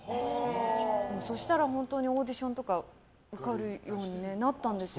そうしたら本当にオーディションとか受かるようになったんですよ。